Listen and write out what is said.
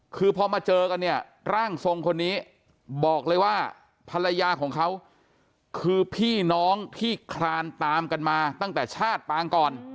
คือพอมาเจอกันเนี่ยร่างทรงคนนี้บอกเลยว่าภรรยาของเขาคือพี่น้องที่คลานตามกันมาตั้งแต่ชาติปางก่อน